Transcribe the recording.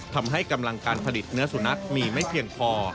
ทำให้กำลังการผลิตเนื้อสุนัขมีไม่เพียงพอ